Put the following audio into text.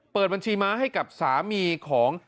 เปิดบัญชีม้าให้กับสามีของ